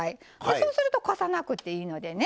そうするとこさなくていいのでね。